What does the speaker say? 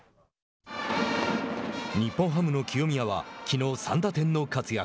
日本ハムの清宮はきのう３打点の活躍。